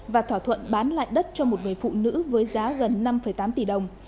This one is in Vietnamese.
và thỏa thuận bán lại đất cho một người phụ nữ với giá gần năm tám tỷ đồng